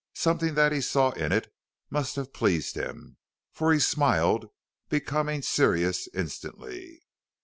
Something that he saw in it must have pleased him, for he smiled, becoming serious instantly.